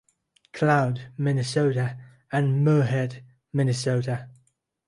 Cloud, Minnesota and Moorhead, Minnesota.